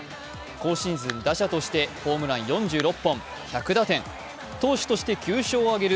今シーズン、打者としてホームラン４６本、１００打点投手として９勝を挙げる